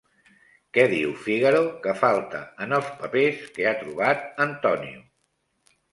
Què diu Fígaro que falta en els papers que ha trobat Antonio?